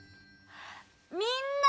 みんな！